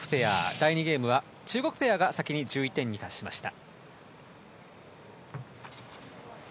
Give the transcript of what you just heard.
第２ゲームは中国ペアが先に１１点に達しました。